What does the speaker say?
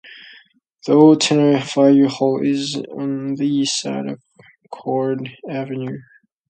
The old Tenney Fire Hall is on the east side of Corcord Avenue.